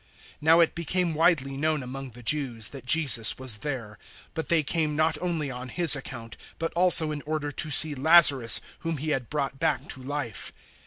012:009 Now it became widely known among the Jews that Jesus was there; but they came not only on His account, but also in order to see Lazarus whom He had brought back to life.